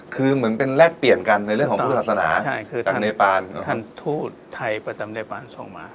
คือเหมือนเป็นแลกเปลี่ยนกันในเรื่องของพุทธศาสนาคือเนปานทันทูตไทยประจำในปานส่งมา